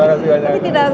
terima kasih banyak